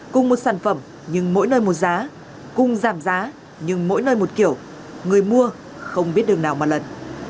cùng một sản phẩm nhưng mỗi nơi một giá cung giảm giá nhưng mỗi nơi một kiểu người mua không biết đường nào mà lần